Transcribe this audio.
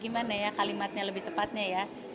gimana ya kalimatnya lebih tepatnya ya